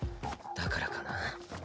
だからかな。